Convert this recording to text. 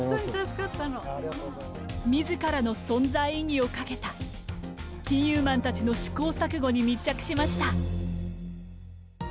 みずからの存在意義をかけた金融マンたちの試行錯誤に密着しました。